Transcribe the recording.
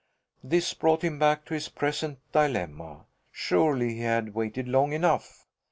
This brought him back to his present dilemma. Surely he had waited long enough!